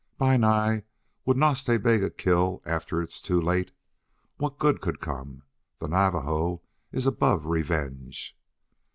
"Bi Nai, would Nas Ta Bega kill after it is too late? What good could come? The Navajo is above revenge."